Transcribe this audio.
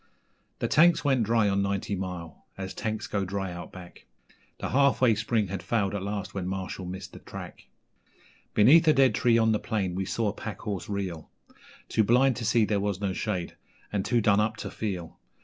The tanks went dry on Ninety Mile, as tanks go dry out back, The Half Way Spring had failed at last when Marshall missed the track; Beneath a dead tree on the plain we saw a pack horse reel Too blind to see there was no shade, and too done up to feel.